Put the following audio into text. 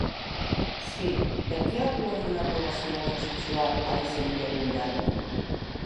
Sí, per què algú en una relació homosexual ha de ser millor que un lladre?